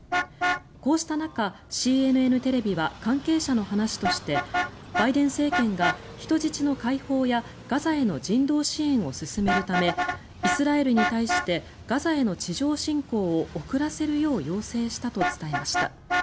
こうした中、ＣＮＮテレビは関係者の話としてバイデン政権が、人質の解放やガザへの人道支援を進めるためイスラエルに対してガザへの地上侵攻を遅らせるよう要請したと伝えました。